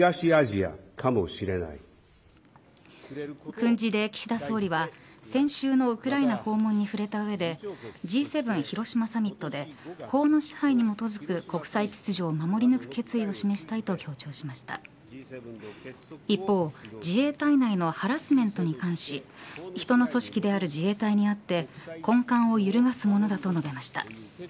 訓示で岸田総理は先週のウクライナ訪問に触れた上でＧ７広島サミットで法の支配に基づく国際秩序を守り抜く決意を示したいと強調しました一方、自衛隊内のハラスメントに関し人の組織である自衛隊にあって根幹を揺るがすものだと述べました。